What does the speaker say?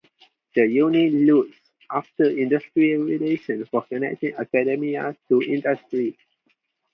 The unit looks after industrial relations for connecting academia to industry.